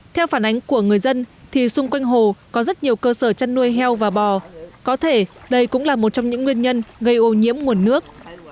theo phản ánh của người dân thì xung quanh hồ có rất nhiều cơ sở chăn nuôi heo và bò có thể đây cũng là một trong những nguyên nhân gây ô nhiễm nguồn nước